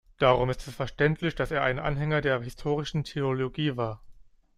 Darum ist es verständlich, dass er ein Anhänger der historischen Theologie war.